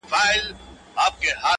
پرزولي یې شاهان او راجاګان وه!